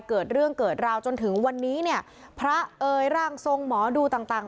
เกิดเรื่องเกิดราวจนถึงวันนี้เนี่ยพระเอ๋ยร่างทรงหมอดูต่างต่าง